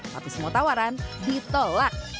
tapi semua tawaran ditolak